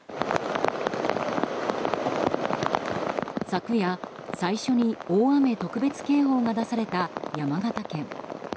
昨夜、最初に大雨特別警報が出された山形県。